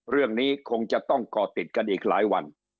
เรื่องนี้คงจะต้องก่อติดกันอีกหลายวัน